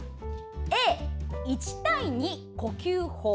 Ａ、１：２呼吸法。